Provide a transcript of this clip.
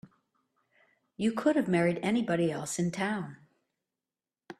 You could have married anybody else in town.